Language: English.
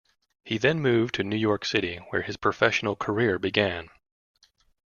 He then moved to New York City where his professional career began.